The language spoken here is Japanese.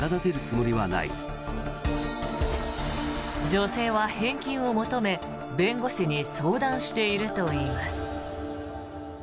女性は返金を求め、弁護士に相談しているといいます。